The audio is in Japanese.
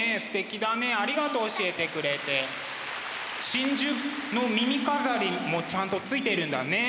真珠の耳飾りもちゃんとついてるんだね。